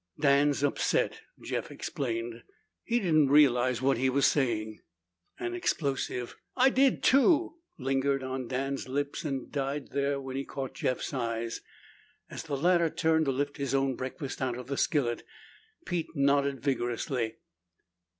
"Dan's upset," Jeff explained. "He didn't realize what he was saying." An explosive, "I did, too" lingered on Dan's lips and died there when he caught Jeff's eyes. As the latter turned to lift his own breakfast out of the skillet, Pete nodded vigorously.